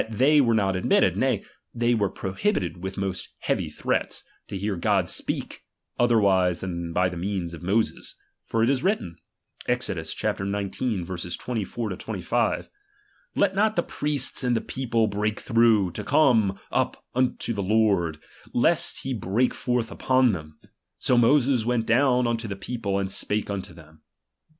they were not admitted, nay, they were prohibited chap. xvi. with most heavy threats, to hear God speak, other ""'" wise than by the means of Moses. For it is written, imtrprfangthB (Exod. xix. 24, 25) : Let not the priests and the"" ""'^^ people break through, to come up unto the Lord, ^H lest he break forth vpoii them. So Moses went ^H down unto the people, and spake unto them.